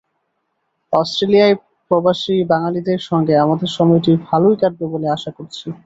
অস্ট্রেলিয়ার প্রবাসী বাঙালিদের সঙ্গে আমাদের সময়টি ভালোই কাটবে বলে আশা করছি।